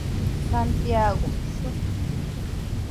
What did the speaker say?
Santiagomi shutii.